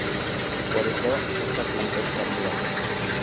Por eso esta planta es carnívora.